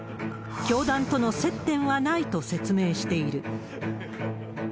教団との接点はないと説明している。